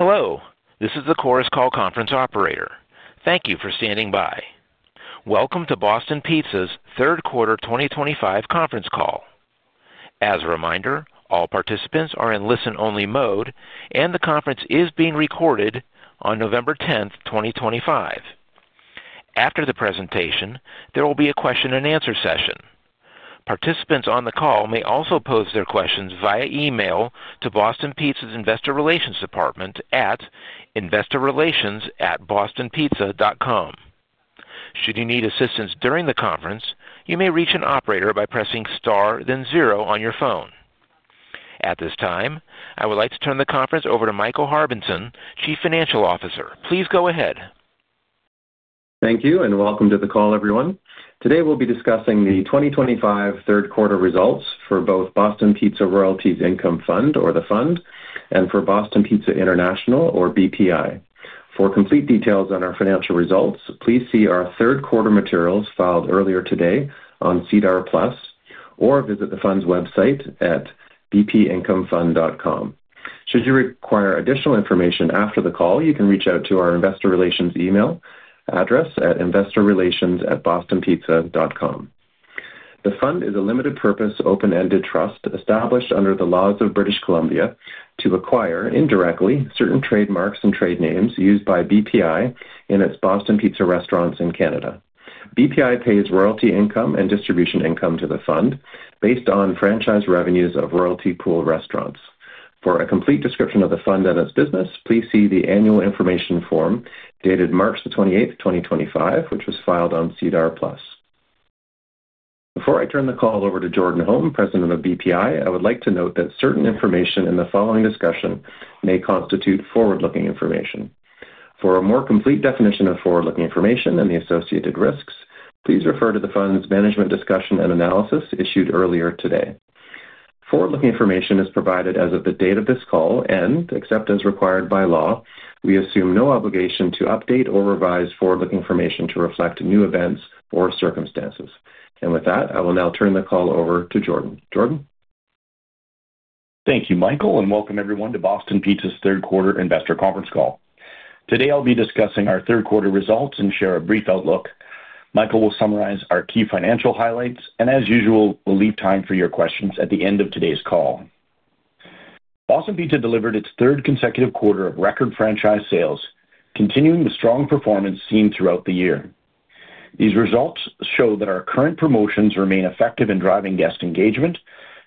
Hello, this is the Chorus Call conference operator. Thank you for standing by. Welcome to Boston Pizza's Third Quarter 2025 Conference Call. As a reminder, all participants are in listen-only mode, and the conference is being recorded on November 10th, 2025. After the presentation, there will be a question-and-answer session. Participants on the call may also pose their questions via email to Boston Pizza's investor relations department at investorrelations@bostonpizza.com. Should you need assistance during the conference, you may reach an operator by pressing star then zero on your phone. At this time, I would like to turn the conference over to Michael Harbinson, Chief Financial Officer. Please go ahead. Thank you and welcome to the call, everyone. Today we'll be discussing the 2025 Third Quarter results for both Boston Pizza Royalties Income Fund, or the Fund, and for Boston Pizza International, or BPI. For complete details on our financial results, please see our 3rd quarter materials filed earlier today on SEDAR+ or visit the Fund's website at bpincomefund.com. Should you require additional information after the call, you can reach out to our investor relations email address at investorrelations@bostonpizza.com. The Fund is a limited-purpose, open-ended trust established under the laws of British Columbia to acquire indirectly certain trademarks and trade names used by BPI in its Boston Pizza restaurants in Canada. BPI pays Royalty Income and Distribution Income to the Fund based on franchise revenues of Royalty Pool Restaurants. For a complete description of the Fund and its business, please see the annual information form dated March 28, 2025, which was filed on SEDAR+. Before I turn the call over to Jordan Holm, President of BPI, I would like to note that certain information in the following discussion may constitute forward-looking information. For a more complete definition of forward-looking information and the associated risks, please refer to the Fund's Management Discussion and Analysis issued earlier today. Forward-looking information is provided as of the date of this call and, except as required by law, we assume no obligation to update or revise forward-looking information to reflect new events or circumstances. I will now turn the call over to Jordan. Jordan? Thank you, Michael, and welcome everyone to Boston Pizza's Third Quarter Investor Conference Call. Today I'll be discussing our 3rd quarter results and share a brief outlook. Michael will summarize our key financial highlights and, as usual, we'll leave time for your questions at the end of today's call. Boston Pizza delivered its 3rd consecutive quarter of record Franchise Sales, continuing the strong performance seen throughout the year. These results show that our current promotions remain effective in driving guest engagement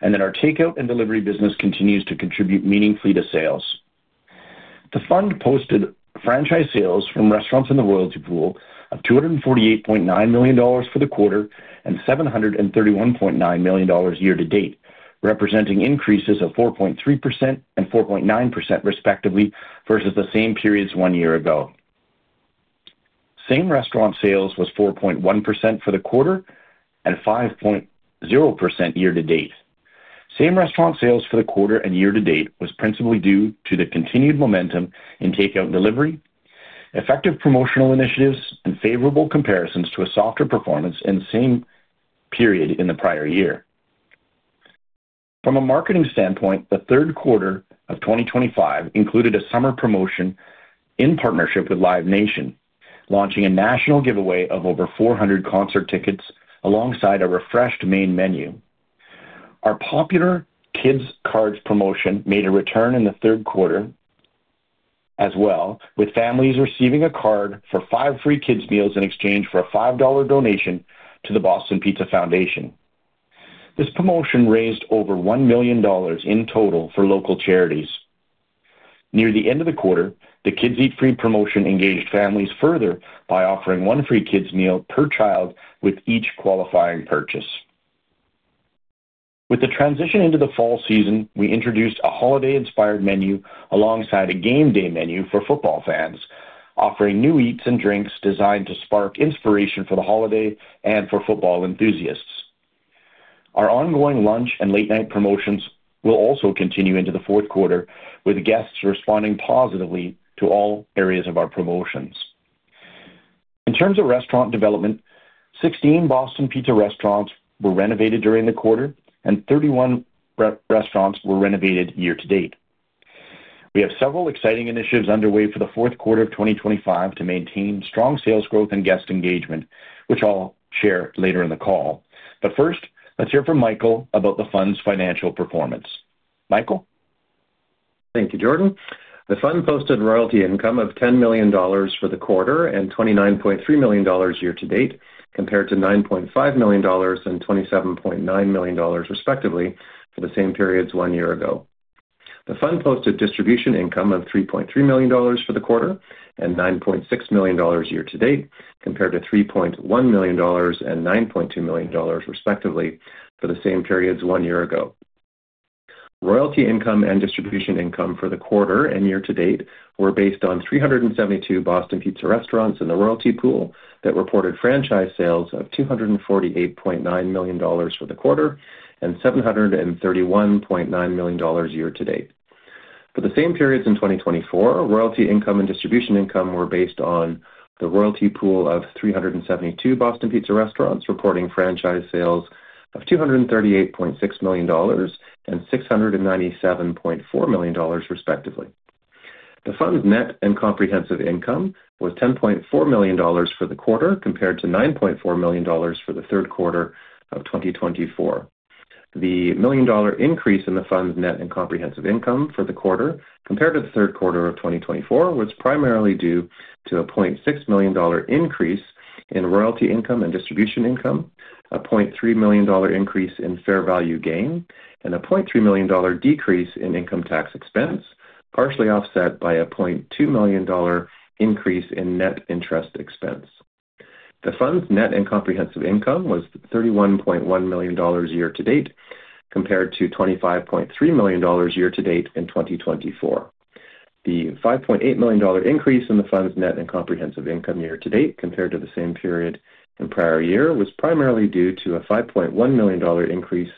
and that our takeout and delivery business continues to contribute meaningfully to sales. The Fund posted Franchise Sales from restaurants in the Royalty Pool of $248.9 million for the quarter and $731.9 million year to date, representing increases of 4.3% and 4.9% respectively versus the same periods one year ago. Same restaurant sales was 4.1% for the quarter and 5.0% year to date. Same restaurant sales for the quarter and year to date was principally due to the continued momentum in takeout delivery, effective promotional initiatives, and favorable comparisons to a softer performance in the same period in the prior year. From a marketing standpoint, the third quarter of 2025 included a summer promotion in partnership with Live Nation, launching a national giveaway of over 400 concert tickets alongside a refreshed main menu. Our popular Kids' Cards Promotion made a return in the 3rd quarter as well, with families receiving a card for five free kids' meals in exchange for a $5 donation to the Boston Pizza Foundation. This promotion raised over $1 million in total for local charities. Near the end of the quarter, the Kids Eat Free Promotion engaged families further by offering one free kids' meal per child with each qualifying purchase. With the transition into the fall season, we introduced a holiday-inspired menu alongside a Game Day Menu for football fans, offering new eats and drinks designed to spark inspiration for the holiday and for football enthusiasts. Our ongoing Lunch and Late-night Promotions will also continue into the 4th quarter, with guests responding positively to all areas of our promotions. In terms of restaurant development, 16 Boston Pizza restaurants were renovated during the quarter, and 31 restaurants were renovated year to date. We have several exciting initiatives underway for the 4th quarter of 2025 to maintain strong sales growth and guest engagement, which I'll share later in the call. First, let's hear from Michael about the Fund's financial performance. Michael? Thank you, Jordan. The Fund posted Royalty Income of $10 million for the quarter and $29.3 million year to date, compared to $9.5 million and $27.9 million respectively for the same periods one year ago. The Fund posted Distribution Income of $3.3 million for the quarter and $9.6 million year to date, compared to $3.1 million and $9.2 million respectively for the same periods one year ago. Royalty Income and Distribution Income for the quarter and year to date were based on 372 Boston Pizza restaurants in the Royalty Pool that reported Franchise Sales of $248.9 million for the quarter and $731.9 million year to date. For the same periods in 2024, Royalty Income and Distribution Income were based on the royalty pool of 372 Boston Pizza restaurants reporting Franchise Sales of $238.6 million and $697.4 million respectively. The Fund's net and Comprehensive Income was $10.4 million for the quarter, compared to $9.4 million for the 3rd quarter of 2024. The $1 million increase in the Fund's net and Comprehensive Income for the quarter, compared to the 3rd quarter of 2024, was primarily due to a $0.6 million increase in Royalty Income and Distribution Income, a $0.3 million increase in Fair Value Gain, and a $0.3 million decrease in Income Tax Expense, partially offset by a $0.2 million increase in Net Interest Expense. The Fund's net and Comprehensive Income was $31.1 million year to date, compared to $25.3 million year to date in 2024. The $5.8 million increase in the Fund's net and Comprehensive Income year to date, compared to the same period in prior year, was primarily due to a $5.1 million increase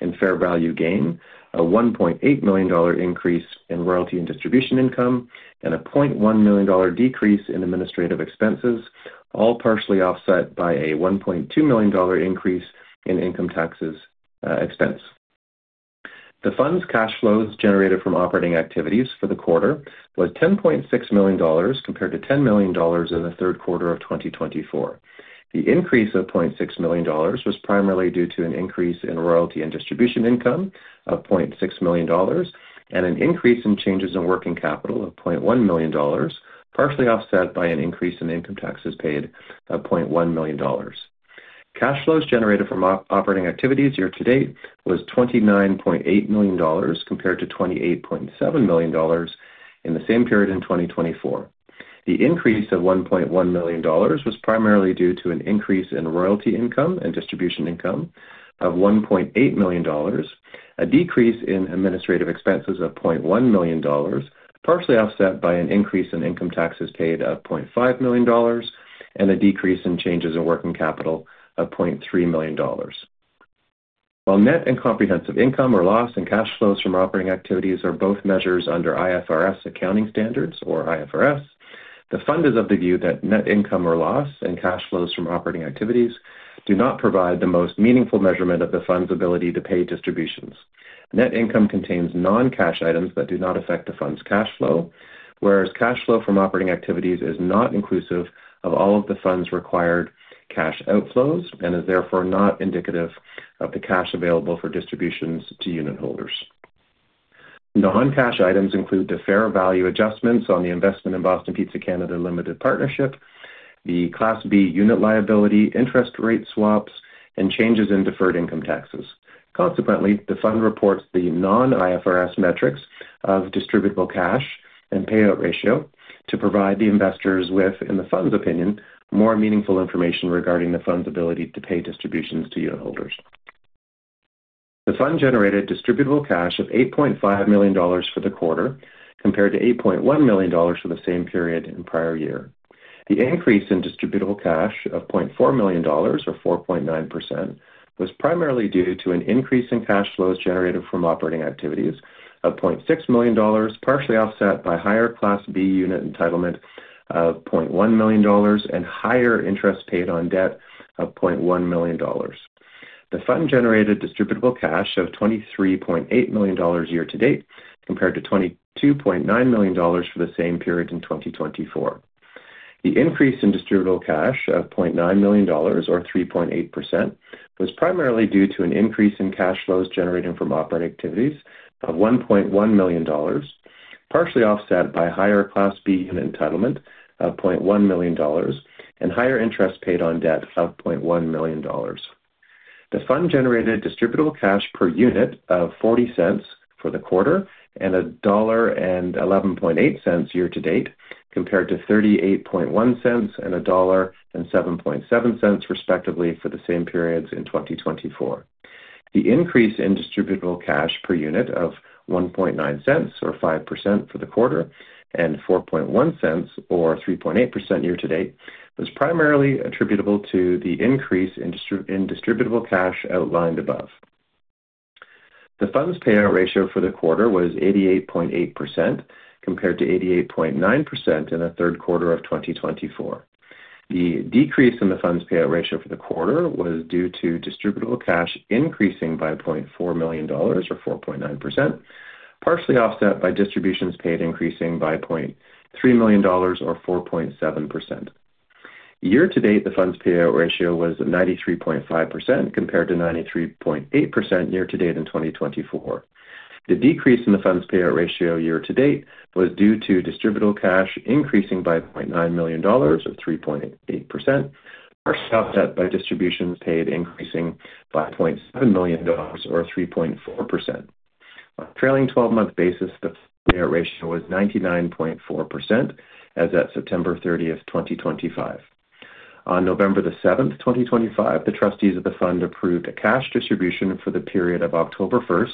in fair value gain, a $1.8 million increase in Royalty and Distribution Income, and a $0.1 million decrease in Administrative Expenses, all partially offset by a $1.2 million increase in Income Taxes expense. The Fund's Cash Flows generated from Operating Activities for the quarter was $10.6 million, compared to $10 million in the 3rd quarter of 2024. The increase of $0.6 million was primarily due to an increase in royalty and Distribution Income of $0.6 million and an increase in changes in working capital of $0.1 million, partially offset by an increase in Income Taxes paid of $0.1 million. Cash Flows generated from Operating Activities year to date was $29.8 million, compared to $28.7 million in the same period in 2024. The increase of $1.1 million was primarily due to an increase in Royalty Income and Distribution Income of $1.8 million, a decrease in Administrative Expenses of $0.1 million, partially offset by an increase in Income Taxes paid of $0.5 million, and a decrease in changes in working capital of $0.3 million. While Net and Comprehensive Income or loss and Cash Flows from Operating Activities are both measures under IFRS accounting standards, or IFRS, the Fund is of the view that net income or loss and Cash Flows from Operating Activities do not provide the most meaningful measurement of the Fund's ability to pay distributions. Net income contains non-cash items that do not affect the Fund's cash flow, whereas cash flow from Operating Activities is not inclusive of all of the Fund's required cash outflows and is therefore not indicative of the cash available for distributions to unitholders. Non-cash items include deferred value adjustments on the investment in Boston Pizza Canada Limited Partnership, the Class B Unit liability, Interest Rate Swaps, and changes in deferred Income Taxes. Consequently, the Fund reports the non-IFRS metrics of distributable cash and payout ratio to provide the investors with, in the Fund's opinion, more meaningful information regarding the Fund's ability to pay distributions to unitholders. The Fund generated distributable cash of $8.5 million for the quarter, compared to $8.1 million for the same period in prior year. The increase in distributable cash of $0.4 million, or 4.9%, was primarily due to an increase in Cash Flows generated from Operating Activities of $0.6 million, partially offset by higher Class B Unit entitlement of $0.1 million and higher interest paid on debt of $0.1 million. The Fund generated distributable cash of $23.8 million year to date, compared to $22.9 million for the same period in 2024. The increase in distributable cash of $0.9 million, or 3.8%, was primarily due to an increase in Cash Flows generated from Operating Activities of $1.1 million, partially offset by higher Class B Unit entitlement of $0.1 million and higher interest paid on debt of $0.1 million. The Fund generated distributable cash per unit of $0.40 for the quarter and $1.118 year to date, compared to $0.381 and $1.077 respectively for the same periods in 2024. The increase in distributable cash per unit of $0.19, or 5% for the quarter, and $0.41, or 3.8% year to date, was primarily attributable to the increase in distributable cash outlined above. The Fund's payout ratio for the quarter was 88.8%, compared to 88.9% in the 3rd quarter of 2024. The decrease in the Fund's payout ratio for the quarter was due to distributable cash increasing by $0.4 million, or 4.9%, partially offset by distributions paid increasing by $0.3 million, or 4.7%. Year to date, the Fund's payout ratio was 93.5%, compared to 93.8% year to date in 2024. The decrease in the Fund's payout ratio year to date was due to distributable cash increasing by $0.9 million, or 3.8%, partially offset by distributions paid increasing by $0.7 million, or 3.4%. On a trailing 12-month basis, the payout ratio was 99.4% as at September 30th, 2025. On November the 7th, 2025, the trustees of the Fund approved a Cash Distribution for the period of October 1st,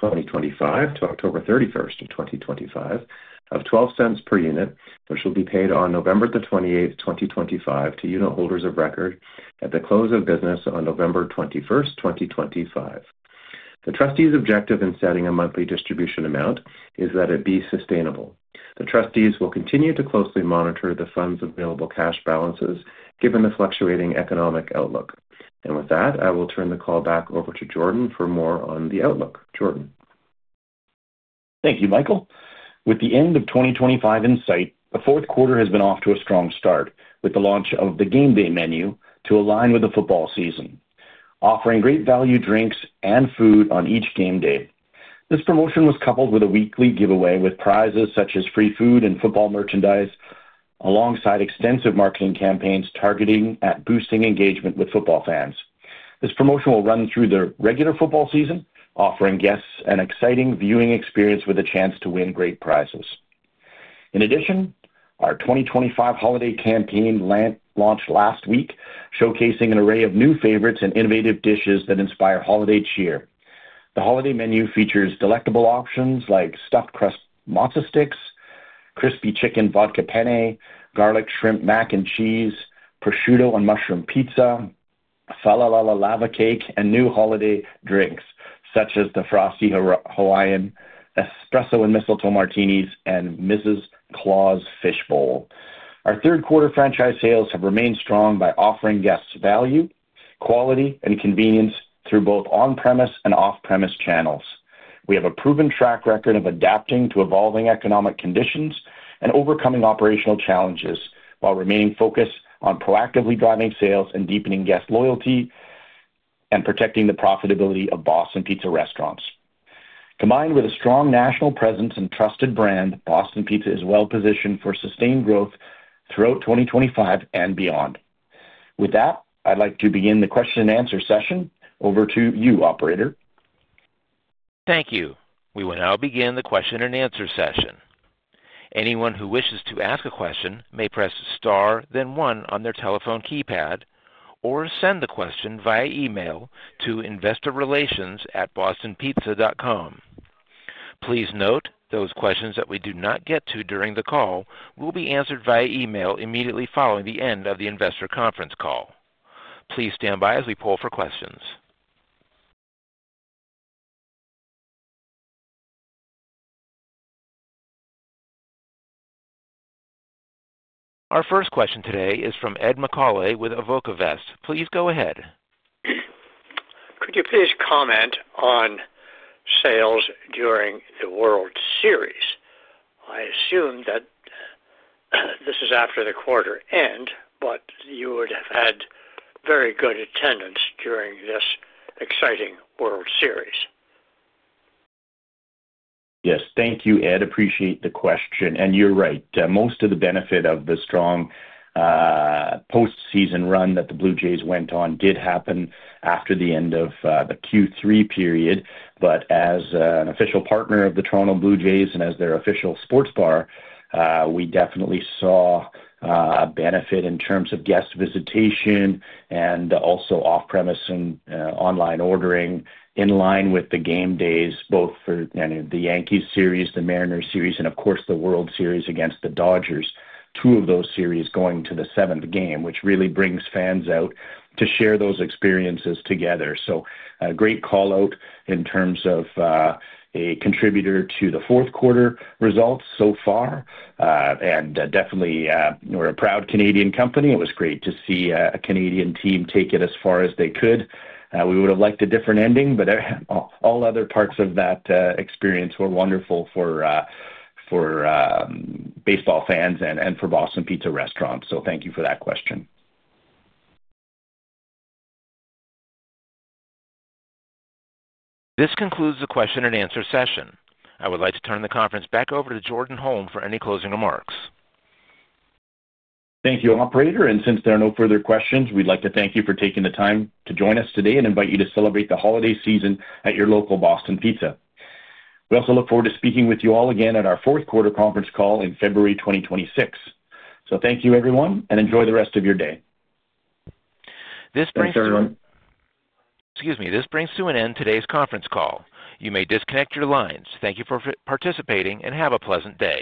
2025, to October 31st, 2025, of $0.12 per unit, which will be paid on November the 28th, 2025, to unitholders of record at the close of business on November 21st, 2025. The trustees' objective in setting a monthly distribution amount is that it be sustainable. The trustees will continue to closely monitor the Fund's available cash balances, given the fluctuating economic outlook. I will turn the call back over to Jordan for more on the outlook. Jordan. Thank you, Michael. With the end of 2025 in sight, the 4th quarter has been off to a strong start with the launch of the Game Day Menu to align with the Football Season, offering great value drinks and food on each game day. This promotion was coupled with a weekly giveaway with prizes such as Free Food and Football Merchandise, alongside extensive marketing campaigns targeting at boosting engagement with football fans. This promotion will run through the Regular Football Season, offering guests an exciting viewing experience with a chance to win great prizes. In addition, our 2025 holiday campaign launched last week, showcasing an array of new favorites and innovative dishes that inspire holiday cheer. The holiday menu features delectable options like Stuffed Crust Mozza Sticks, Crispy Chicken Vodka Penne, Garlic Shrimp Mac and Cheese, Prosciutto and Mushroom Pizza, Fa-la-la-la Lava Cake, and new holiday drinks such as the Frosty Hawaiian Espresso and Mistletoe Martinis and Mrs. Claws Fish Bowl. Our 3rd quarter Franchise Sales have remained strong by offering guests value, quality, and convenience through both on-premise and off-premise channels. We have a proven track record of adapting to evolving economic conditions and overcoming operational challenges while remaining focused on proactively driving sales and deepening guest loyalty and protecting the profitability of Boston Pizza Restaurants. Combined with a strong national presence and trusted brand, Boston Pizza is well positioned for sustained growth throughout 2025 and beyond. With that, I'd like to begin the question and answer session. Over to you, Operator. Thank you. We will now begin the question and answer session. Anyone who wishes to ask a question may press star, then one on their telephone keypad, or send the question via email to investorrelations@bostonpizza.com. Please note those questions that we do not get to during the call will be answered via email immediately following the end of the investor conference call. Please stand by as we pull for questions. Our first question today is from Ed McAulay with AvocaVest. Please go ahead. Could you please comment on sales during the World Series? I assume that this is after the quarter end, but you would have had very good attendance during this exciting World Series. Yes, thank you, Ed. Appreciate the question. You're right. Most of the benefit of the strong post-season run that the Blue Jays went on did happen after the end of the Q3 period. As an official partner of the Toronto Blue Jays and as their Official Sports Bar, we definitely saw a benefit in terms of guest visitation and also off-premise and online ordering in line with the game days, both for the Yankees series, the Mariners series, and of course, the World Series against the Dodgers. Two of those series going to the 7th game, which really brings fans out to share those experiences together. A great call out in terms of a contributor to the 4th quarter results so far. We are definitely a proud Canadian company. It was great to see a Canadian team take it as far as they could. We would have liked a different ending, but all other parts of that experience were wonderful for baseball fans and for Boston Pizza restaurants. Thank you for that question. This concludes the question and answer session. I would like to turn the conference back over to Jordan Holm for any closing remarks. Thank you, Operator. Since there are no further questions, we'd like to thank you for taking the time to join us today and invite you to celebrate the Holiday Season at your local Boston Pizza. We also look forward to speaking with you all again at our 4th quarter conference call in February 2026. Thank you, everyone, and enjoy the rest of your day. This brings to an end. Thanks, everyone. Excuse me. This brings to an end today's conference call. You may disconnect your lines. Thank you for participating and have a pleasant day.